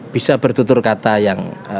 bisa bertutur kata yang